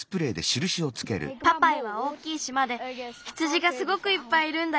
パパイは大きいしまで羊がすごくいっぱいいるんだよ。